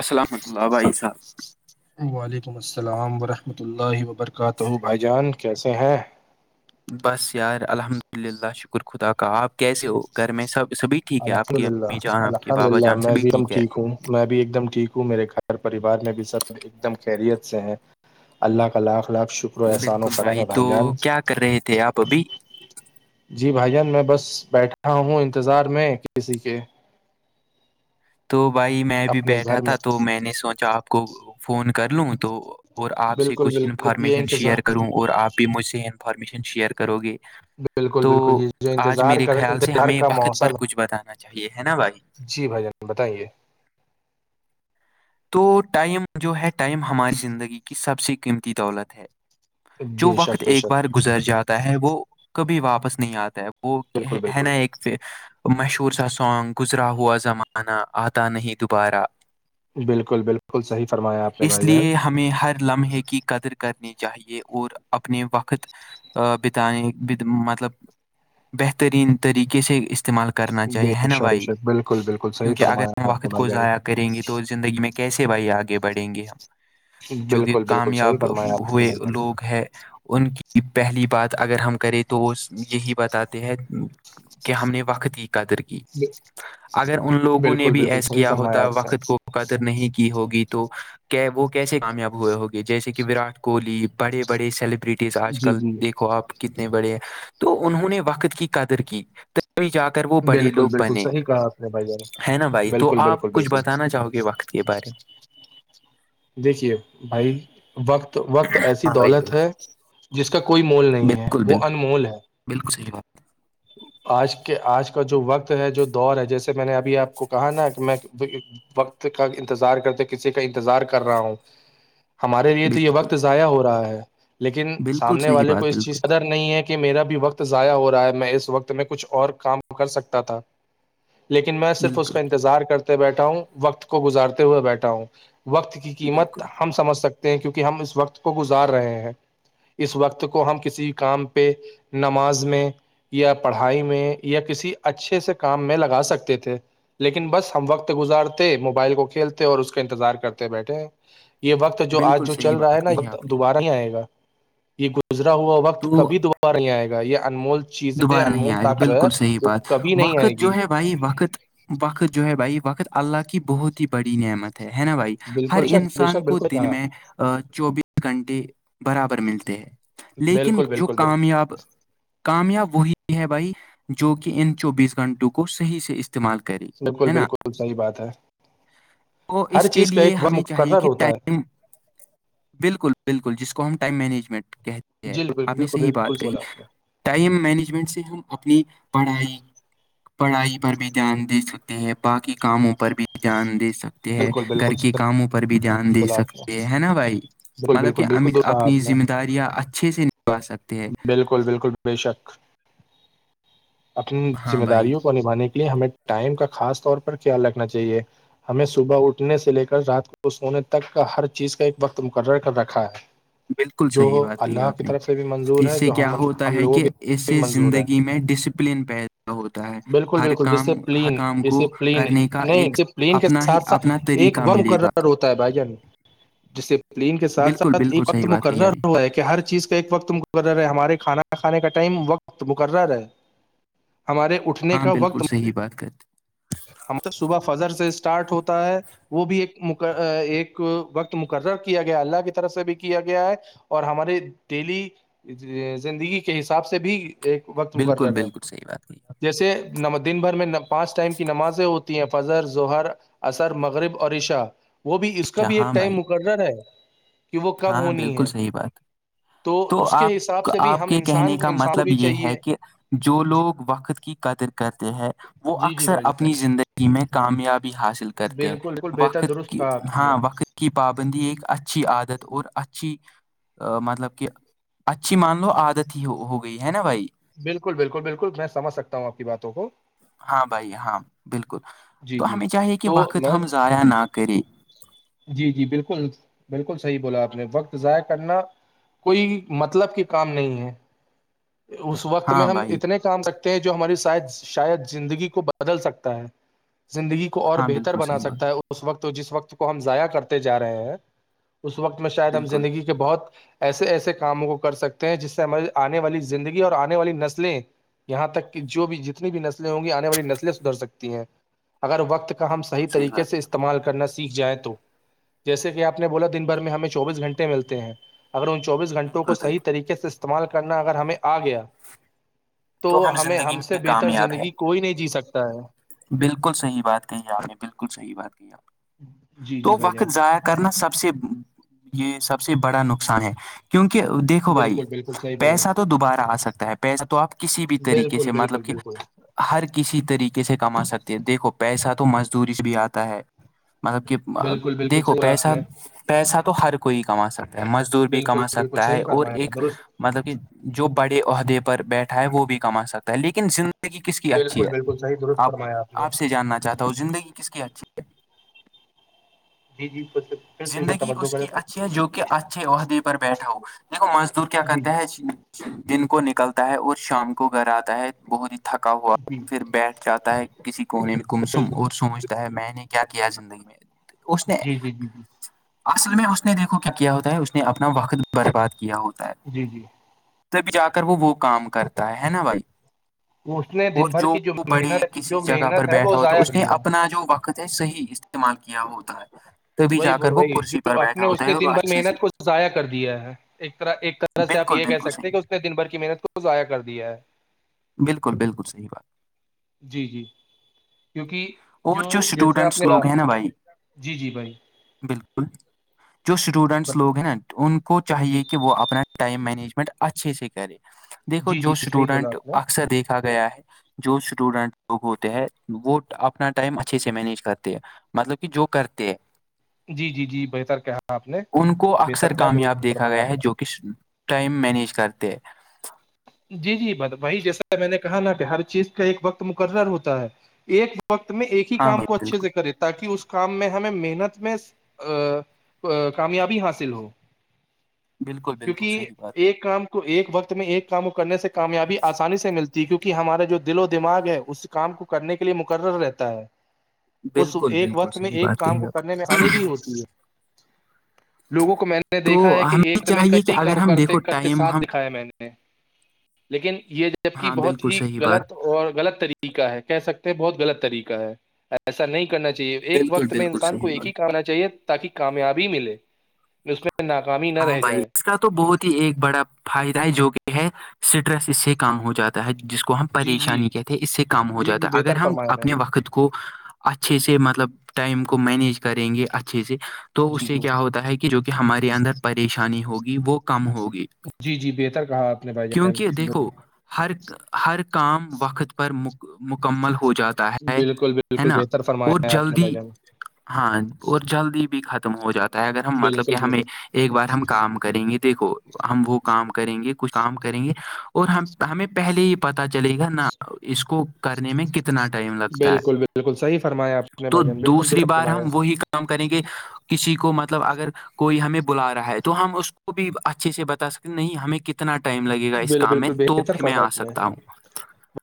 السلحمت اللہ بھائی صاحب وعلیکم السلام ورحمۃ اللہ وبرکاتہ بھائی جان کیسے ہیں بس یار الحمد للہ شکر خدا کا آپ کیسے ہو گھر میں سب سبھی ٹھیک ہے آپ الحمد کی للہ امی جان آپ کے الحمد بابا للہ جان میں سبھی بھی دم ہے ٹھیک ہوں میں بھی ایک دم ٹھیک ہوں میرے گھر پریوار میں بھی سب ایک دم خیریت سے ہیں اللہ کا لاکخ لاکھ شکر و احسان و بالکل کرن اور تو بھائی جان کیا کر رہے تھے آپ ابھی جی بھائی جان میں بس بیٹھا ہوں انتظار میں کسی کے تو بھائی میں بھی اپنے بیٹھا گھر تھا تو میں نے سوچا آپ کو فون کر لوں تو اور آپ سے بالکل کچھ بالکل یہ انفارمیشن انتظار شیئر کروں اور آپ بھی مجھ سے انفارمیشن شیئر کرو گے بالکل تو بالکل یہ جو آج انتظار میرے کا خیال سے انتظار ہمیں کا وقت پر موسم کچھ بتانا چاہیے ہے نا بھائی جی بھائی جان بتائیے تو ٹائم جو ہے ٹائم ہماری زندگی کی سب سے قیمتی دولت ہے جو بے وقت شک بے ایک شک بار گزر جاتا ہے وہ کبھی واپس نہیں آتا ہے وہ بالکل ہے بالکل نا ایک مشہور سا سانگ گزرا ہوا زمانہ آتا نہیں دوبارہ بالکل بالکل صحیح فرمایا آپ نے اس بھائی جان لیے ہمیں ہر لمحے کی قدر کرنی چاہیے اور اپنے وقت بتانے مطلب بہترین طریقے سے استعمال کرنا بے چاہیے ہے نا شک بے بھائی شک بالکل بالکل صحیح کیونکہ اگر فرمایا ہم آپ نے وقت بھائی کو جان ضائع کریں گے تو زندگی میں کیسے بھائی آگے بڑھیں گے ہم جو کہ بالکل بالکل صحیح کامیاب فرمایا آپ نے ہوئے بھائی جان لوگ ہیں ان کی کہ پہلی بات اگر ہم کریں تو اس یہی بتاتے ہے کہ ہم نے وقت کی قدر کی اگر ان لوگوں نے بالکل بھی بالکل ایس صحیح کیا فرمایا ہوتا ہے آپ نے وقت کو قدر نہیں کی ہوگی تو وہ کیسے کامیاب ہوئے ہوگے جیسے کہ وراٹ کوہلی بڑے بڑے سیل بٹیز آج جی کل جی دیکھو آپ کتنے بڑے ہیں تو انہوں نے وقت کی قدر کی تھی جا کر وہ بڑے بالکل لوگ بالکل بنے صحیح کہا آپ نے بھائی جان ہے نا بھائی تو بالکل آپ بالکل کچھ بالکل بتانا چاہو گے کے وقت کے بارے میں دیکھیے بھائی وقت وقت ایسی ہاں بھائی دولت بالکل ہے جس کا کوئی مول نہیں ہے بالکل وہ بالکل انمول ہے بالکل صحی بات آج کے آج کا جو وقت ہے جو دور ہے جیسے میں نے ابھی آپ کو کہا نا کہ میں وقت کا انتظار کرتے کسی کا انتظار کر رہا ہوں ہمارے لیے تو یہ بالکل وقت ضائع ہو رہا ہے لیکن بالکل سامنے صحیح والے کو بات اس بالکل چیز کادر نہیں ہے کہ میرا بھی وقت ضائع ہو رہا ہے میں اس وقت میں کچھ اور کام کر سکتا تھا لیکن میں صرف اس بالکل کا انتظار کرتے بیٹھا ہوں وقت کو گزارتے ہوئے بیٹھا ہوں وقت کے کی قیمت بالکل ہم سمجھ سکتے ہیں کیونکہ ہم اس وقت کو گزار رہے ہیں اس وقت کو ہم کسی کام پہ نماز میں یا پڑھائی میں یا کسی اچھے سے کام میں لگا سکتے تھے لیکن بس ہم وقت گزارتے موبائل کو کھیلتے اور اس کا انتظار کرتے بیٹھے یہ وقت جو آج بالکل جو صحیح چل رہا ہے بات نا کہی یہ آپ نے دوبارہ ہی آئے گا یہ گزرا ہوا وقت تو کبھی دوبارہ پر نہیں آئے گا یہ انمول چیز دوبارہ نہیں آئے گا بالکل صحیح بات نہیں آئے وقت جو گی ہے بھائی وقت وقت جو ہے بھائی وقت اللہ کی بہت ہی بڑی نعمت ہے ہے نا بھائی ہر بالکل شک بے انسان شک کو بالکل دن کہا میں چوبیس گھنٹے برابر ملتے ہیں لیکن بالکل جو بالکل بالکل کامیاب کامیاب وہی ہے بھائی جو کہ ان چوبیس گھنٹوں کو صحیح سے استعمال کرے بالکل ہے نا بالکل صحیح بات ہے تو ہر اس کے چیز کا لیے ایک ہمیں چاہیے مقرر کہ ہوتا ہے ٹائم بالکل بالکل جس کو ہم ٹائم مینجمنٹ کہتے ہیں جی بالکل آپ نے بالکل صحیح بالکل بات کہی بولا آپ نے ٹائم مینجمنٹ سے ہم اپنی پڑھائی پڑھائی پر بھی دھیان دے سکتے ہیں باقی کاموں پر بھی دھیان دے سکتے ہے بالکل گھر بالکل کے کاموں پر بھی دھیان دے بولا آپ نے سکتے ہیں ہے نا بھائی بالکل مطلب بالکل کہ بالکل تو ا کہا اپنی آپ نے ذمہ داریاں اچھے سے نبھا سکتے ہیں بالکل بے شک اپنی ہاں ذمہ بھائی داریوں کو نبھانے کے لیے ہمیں ٹائم کا خاص طور پر کیا رکھنا چاہیے ہمیں صبح اٹھنے سے لے کر رات کو سونے تک کا ہر چیز کا ایک وقت مقرر کر رکھا ہے بالکل جو صحیح بات کہی اللہ آپ کی نے طرف سے بھی منظور اس ہے سے جو کیا ہم ہوتا ہم ہے لوگوں کہ کی اس بھی سے منظور ہے زندگی میں ڈسپلن پیدا ہوتا ہے بالکل ہر بالکل کام وسے ہر پلین کام وے کو پلین کرنے کا ایک ج پلین کہ اپنا ہی ساتھ ساتھ اپنا ایک طریقہ و ملے گا مقرر ہوتا ہے بھائی جانی جس سے لین کے ساتھ بالکل ساتھ یہ بالکل وقت صحیح بات کہی مقرر آپ نے ہوا ہے کہ ہر چیز کا ایک وقت مقرر ہے ہمارے کھانا کھانے کا ٹائم وقت مقرر ہے ہمارےٹھ [unintelligible] ہاں بالکل صحی بات کرتے ہملب صبح فضر سے اسٹارٹ ہوتا ہے وہ بھی ایک ایک وقت مقرر کیا گیا اللہ کی طرف سے بھی کیا گیا ہے اور ہمارے ڈیلی زندگی کے حساب سے بھی ایک وقت بالکل مقرر ہے بالکل صحیح بات کہی آپ جیسے دن بھر میں پانچ ٹائم کے نمازیں ہوتی ہیں فضر ہر اصر مغرب اور رشا وہ بھی نے۔ اس کا اچھا بھی ہاں ایک بھائی ٹائم مک گردہ رہ ہے [unintelligible] وہ کب ہاں ہونی بالکل ہے صحیح بات تو اس کے آپ حساب سے بھی آپ ہم کے انسان کہنے کا انسان کو مطلب بھی یہ ہے چاہیے کہ جو لوگ وقت کی قدر کرتے ہیں وہ جی جی اکثر بھائی اپنی زندگی میں کامیاب بھی حاصل جان کرتے ہیں بالکل بالکل بہتر وقت درست کی کہا آپ نے ہاں وقت کی پابندی ایک اچھی عادت تو اور اچھی آہ مطلب کہ اچھی مان لو عادت ہی ہو گئی ہے نا بھائی بالکل بالکل بالکل میں سمجھ سکتا ہوں آپ باتوں کو ہاں بھائی ہاں بالکل جی تو جی ہمیں چاہیے کہ تو وقت میں ہم ضائع نہ کریں جی جی بالکل بالکل صحیح بولا آپ نے وقت ضائع کرنا کوئی مطلب کے کام نہیں ہے اس وقت میں ہاں ہم بھائی اتنے سکتے ہیں جو ہماری سائیڈ شاید زندگی کو بدل سکتا ہے زندگی کی کو اور ہاں بہتر بالکل بنا صحیح بات سکتا ہے اور اس وقت جس وقت کو ہم ضائع کرتے جا رہے ہیں اس وقت میں شاید ہم بالکل زندگی کے بہت ایسے ایسے کاموں کو کر سکتے ہیں جس سے ہماری آنے والی زندگی اور آنے والی نسلیں یہاں تک کہ جو بھی جتنی بھی نسلیں ہوں گی آنے والی نسلیں سدھر سکتی ہیں اگر وقت کا ہم بالکل صحیح طریقے بات سے ہے آپ استعمال کرنا سے دیکھ جائیں تو جیسے کہ آپ نے بولا دن بھر میں ہمیں چوبیس گھنٹے ملتے ہیں اگر ان چوبیس نے، گھنٹوں کو بالکل صحیح بالکل طریقے سے استعمال کرنا اگر ہمیں آ گیا تو ہمیں زندگی ہم سے میں بہتر کامیاب ہے زندگی کوئی نہیں جی سکتا ہے بالکل صحیح بات کہی آپ نے بالکل صحیح بات کہ آپ نے جی جی تو بھائی جان وقت ضائع کرنا سب سے یہ سب سے بڑا نقصان ہے کیونکہ دیکھو بھائی بالکل بالکل صحیح بولا پیسہ تو دوبارہ آ سکتا ہے پیسہ تو آپ کسی بھی طریقے بالکل سے مطلب بالکل کہ بالکل ہر کسی طریقے سے کما سکتے ہے دیکھو پیسہ تو مزدوری سے بھی آتا ہے مطلب کہ بالکل بالکل دیکھو صحیح بولا آپ پیسہ نے پیسہ تو ہر کوئی کما سکتا مزدور بھی بالکل کما بالکل سکتا ہے صحیح اور فرمایا ایک درست مطلب کہ جو بڑے عہدے پر بیٹھا ہے وہ بھی کما سکتا ہے لیکن زندگی کس کی اچھی بالکل ہے بالکل صحیح درست آپ فرمایا نے آپ سے جاننا چاہتا ہوں زندگی کس کی اچھی جی جی بس زندگی اس کی اچھی ہے جو کہ اچھے عہدے پر بیٹھا ہو دیکھو مزدور کیا جی کرتے ہے دن کو نکلتا ہے اور شام کو گھر آتا ہے بہت ہی تھکا ہوا جی پھر بیٹھ جاتا ہے کسی کونے میں کم سم بالکل اور سوجھ میں نے کیا کیا زندگی میں سوچتے ہے جی جی جی جی اصل میں اس نے دیکھو کیا کیا ہوتا ہے اس نے اپنا وقت برباد کیا ہوتا ہے جی جی تبھی جا کر وہ وہ کام کرتا ہے نا بھائی اس نے اور دن بھر جو کی بڑے محنت کسی جو جگہ پر محنت ہے وہ بیٹھا ہوتا ضائع اس نے کی ہے اپنا جو وقت کتے صحیح استعمال کیا ہوتا ہے تبھی وہی جا کر وہ وہی کرسی جو پر بیٹھا اپنے ہوتا اس ہے نے اور وہ دن بھر اچھی سی محنت کو ضائع کر دیا ہے ایک طرح طح اس طرح سےپ بالکل یہ کہہ بالکل سکتے ہیں صحیح کہ اس نے دن بھر کی محنت کو ضائع کر دیا ہے بالکل بالکل صحیح بات ہے جی جی کیونکہ جو اور جیسے آپ نے اسٹوڈنٹس لوگ ہیں نا بھائی جی جی بھائی بالکل جو اسٹوڈنٹس لوگ ہیں نا ان کو جی چاہیے کہ وہ اپنا ٹائم مینجمنٹ اچھے سے کرے دیکھو جی جو جی صحیح بولا اسٹوڈنٹ آپ نے اکثر دیکھا گیا ہے جو اسٹوڈنٹ لوگ ہوتے ہیں وہ اپنا ٹائم اچھے سے مینیج کرتے ہیں مطلب کہ جو کرتے جی جی جی بہتر کہ ان کو اکثر کامیاب دیکھا فرمایا گیا آپ ہے جو نے کہ ٹائم مینیج کرتے جی جی ب وہی جیسا میں نے کہا نا کہ ہر چیز کا ایک وقت مقرر ہوتا ہے ایک وقت میں ایک ہی ہاں کام بھائی کو اچھے بالکل سے کرے تاکہ اس کام میں ہمیں محنت میں کامیابی حاصل ہو بالکل بالکل کیونکہ صحیح بات ایک کام کو ایک وقت میں ایک کام کرنے سے کامیابی آسانی سے ملتی ہے کیونکہ ہمارا جو دل و دماغ ہے اس کام کو کرنے کے لیے مقرر رہتا ہے جی اس ایک وقت میں ایک کام کو کرنے میں آسانی بھی ہوتی ہے لوگوں کو میں نے نے تو دیکھا ہے کہ ایک ہمیں چاہیے کہ کئی اگر ہم کرتے دیکھو کرتے ٹائم ساتھ ہم دکھا ہے میں نے لیکن یہ جبک ہاں بہت بالکل ہی صحیح بات غلط اور غلط طریقہ ہے کہہ سکتے ہیں بہت غلط طریقہ ہے ایسا نہیں کرنا چ چاہیے ایک بالکل وقت میں بالکل انسان کو صحیح ایک بات ہی کرنا چاہیے تاکہ کامیابی ملے اس میں ناکامی نہ ہاں رہ بھائی جائے اس کا تو بہت ہی ایک بڑا فائدہ ہے جو کہ ہے سٹریس اس سے کام ہو جاتا ہے جس کو ہم جی جی پریشانی کہتے ہیں اس سے کم ہو جی جی جاتا ہے اگر بہتر ہم فرمایا ہے اپنے وقت کو کو اچھے سے مطلب ٹائم کو مینیج کریں گے اچھے سے تو جی اس سے جی کیا ہوتا ہے کہ جو کہ ہمارے اندر پریشانی ہوگی وہ کم ہوگی جی جی بہتر کہا آپ نے بھائی جان کیونکہ دیکھو ہر ہر کام وقت پر مکمل ہو جاتا ہے بالکل ہے بالکل نا بہتر اور فرمایا آپ نے بھائی جلدی جان ہاں اور جلدی بھی ختم ہو جاتا ہے اگر ہم مطلب کہ بالکل ہمیں بالکل ایک بار ہم کام کریں گے دیکھو ہم وہ کام کریں گے کچھ کام کریں گے اور ہم ہمیں پہلے ہی پتا چلے گا نہ اس کو کرنے میں کت اتنا ٹائم لگتا ہے بالکل بالکل صحیح فرمایا آپ نے تو بھائی جان بالکل دوسری درست بار فرمایا ہم وہی کر کریں گے کسی کو مطلب اگر کوئی ہمیں بلا رہا ہے تو ہم اس کو بھی اچھے سے بتا سکتے نہیں ہمیں کتنے کتنا ٹائم لگے گا اس بال کام میں بالکل تو بہتر پھر میں فرمایا آ آپ نے سکتا ہوں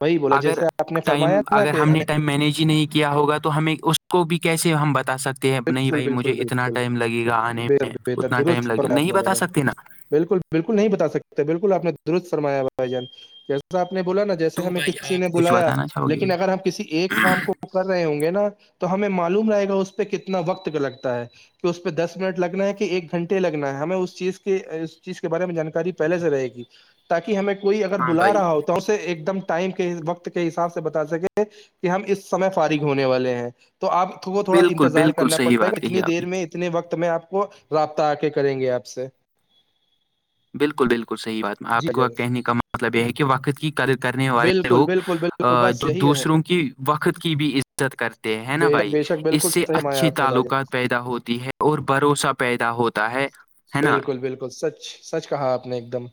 وہی بولا اگر جیسے آپ نے ٹائم فرمایا نا اگر کہ ہم نے ٹائم مینج ہی نہیں کیا ہوگا تو تو ہمیں اس کو بھی کیسے ہم بتا سکتے ہیں نہیں بالکل بھائی مجھے بالکل اتنا بالکل ٹائم لگے گا آنے بہتر میں بہتر اتنا درست ٹائم لگے فرمایا آپ نہیں نے بتا بھائی جان سکتے نا بالکل بالکل نہیں بتا سکتے بالکل آپ نے درست فرمایا بھائی جان جسا آپ نے بولا نا جیسے تو ہمیں بھائی کسی نے آپ کچھ بلایا بتانا چاہو گے لیکن اگر ہم کسی ایک کام کو وہ کر رہے ہوں گے نا تو ہمیں معلوم رہے گا اس پہ کتنا وقت کا لگتا ہے کہ اس پہ دس منٹ لگنا ہے کہ ایک گھنٹے لگنا ہے ہمیں اس چیز کے اس چیز کے بارے میں جانکاری پہلے سے رہے گی تاکہ ہمیں کوئی اگر ہاں بلا بھائی رہا ہو تو اسے ایک دم ٹائم کے وقت کے حساب سے بتا سکے کہ ہم اس سمے فارغ ہونے والے ہیں تو آپ کو تھوڑا بالکل انتظار بالکل کرنا صحیح پڑتا ہے بات اتنی کہی آپ دیر نے میں اتنے وقت میں آپ کو رابطہ آ کے کریں گے آپ سے بالکل بالکل صحیح بات جی آپ کو جی کہنے کا مطلب یہ ہے کہ وقت کی قدر کرنے والے بالکل لوگ بالکل بالکل بس جو یہی ہے دوسروں کی وقت کی بھی عزت کرتے ہیں نا بے بھائی بے شک اس بالکل سے سمایا اچھی آپ نے بھائی جان، تعلقات پیدا ہوتی ہے اور بھروسہ پیدا ہوتا ہے ہے نا بالکل بالکل سچ سچ کہا آپ نے ایک دم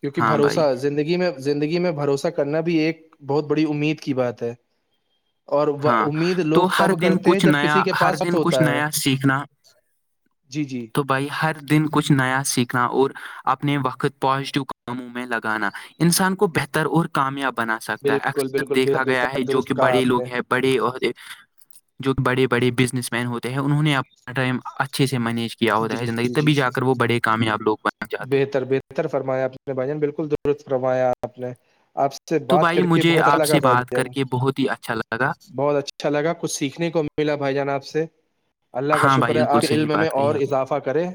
کیونکہ ہاں بھائی بھروسہ زندگی میں زندگی میں بھروسہ کرنا بھی ایک بہت بڑی امید کی بات ہے اور ہاں امید تو لوگ ہر تب دن کرتے ہیں کچھ جب نیا کسی کے ہر پاس وقت دن کچھ ہوتا ہے نیا سیکھنا جی جی تو بھائی ہر دن کچھ نیا سیکھنا اور اپنے وقت پازیٹو کاموں میں لگانا انسان کو بہتر اور کامیاب بنا سکتا ہے بالکل اکثر بالکل دیکھا گیا ہے بہتر جو کہ درست کہا بڑے آپ نے لوگ ہیں بڑے اور جو بڑے بڑے بزنس مین ہوتے ہیں انہوں نے اپنا ٹائم اچھے سے مینج کیا ہوتا ہے جی زندگی جی جی جی تبھی جا کر وہ بڑے کامیاب لوگ بن جاتے ہیں بہتر بہتر فرمایا اپ نے بھائی نے بالکل درست فرمایا آپ نے آپ سے سے تو بات بھائی کر کے مجھے بہت آپ الگ ہے سے بھائی بات کر کے بہت ہی اچھا لگا جب بہت اچھا لگا کچھ سیکھنے کو ملا بھائی جان آپ سے اللہ کا ہاں شکر بھائی ہے بالکل آپ صحیح علم میں بات کہی اور آپ نے اضافہ کریں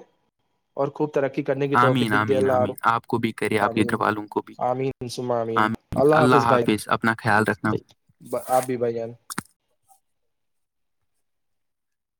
اور خوب ترقی کرنے کی آمین توفیق د آمین اللہ آمین آپ کو بھی کرے آ آپ کے آمین گھر والوں کو بھی آمین مام آمین اللہ حافظ بھائی اپنا خیال رکھنا آبی بھان